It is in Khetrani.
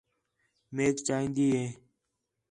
میک چائیندی ہی